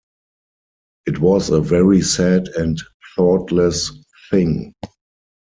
It was a very sad and thoughtless thing.